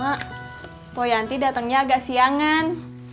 mak po yanti datengnya agak siangan